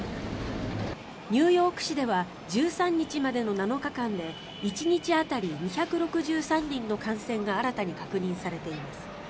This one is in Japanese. ニューヨーク市では１３日までの７日間で１日当たり２６３人の感染が新たに確認されています。